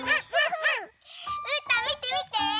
うーたんみてみて！